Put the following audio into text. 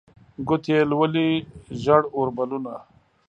ګوتې یې لولي ژړ اوربلونه